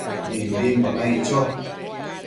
Mimbimbo naic cho